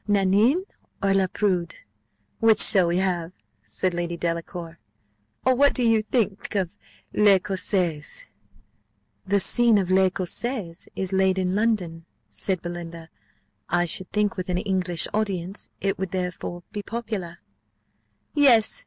"Nanine, or La Prude, which shall we have?" said Lady Delacour: "or what do you think of L'Ecossaise?" "The scene of L'Ecossaise is laid in London," said Belinda; "I should think with an English audience it would therefore be popular." "Yes!